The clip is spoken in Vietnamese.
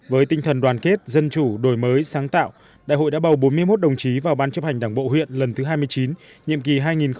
với tinh thần đoàn kết dân chủ đổi mới sáng tạo đại hội đã bầu bốn mươi một đồng chí vào ban chấp hành đảng bộ huyện lần thứ hai mươi chín nhiệm kỳ hai nghìn hai mươi hai nghìn hai mươi năm